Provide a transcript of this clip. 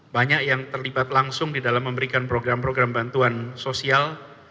banyak yang terlibat langsung di dalam memberikan program program bantuan sosial